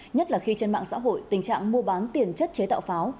nhất là khi trên mạng xã hội tình trạng mua bán tiền chất chế tạo pháo